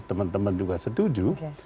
teman teman juga setuju